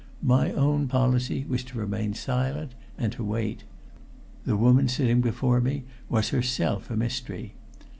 My own policy was to remain silent and to wait. The woman sitting before me was herself a mystery.